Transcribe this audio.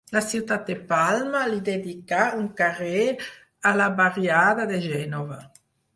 La ciutat de Palma li dedicà un carrer a la barriada de Gènova.